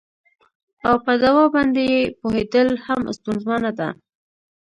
او په دوا باندې یې پوهیدل هم ستونزمنه ده